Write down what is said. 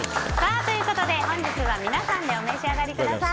本日は皆さんでお召し上がりください。